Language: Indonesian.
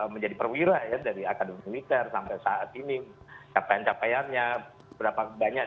menjadi perwira ya dari akademi militer sampai saat ini capaian capaiannya berapa banyak